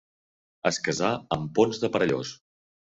Es casà amb Ponç de Perellós.